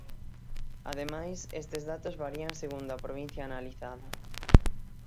Ademais, estes datos varían segundo a provincia analizada.